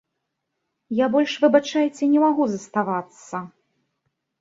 Я больш, выбачайце, не магу заставацца!